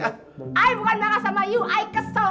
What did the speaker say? saya bukan marah sama ibu saya kesel